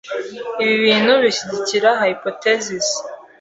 Ibi bintu bishyigikira hypothesis .